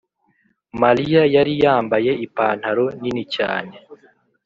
malia yari yambaye ipantaro nini cyane